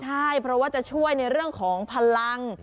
ใช่เพราะว่าจะช่วยในเรื่องของพลัง